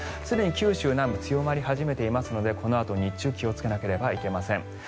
すでに九州南部強まり始めていますのでこのあと日中気をつけなければいけません。